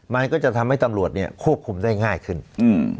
มันก็จะทำให้ตำรวจเนี้ยควบคุมได้ง่ายขึ้นอืม